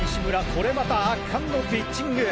これまた圧巻のピッチング！